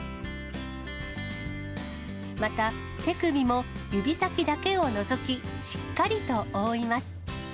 また、手首も指先だけを除き、しっかりと覆います。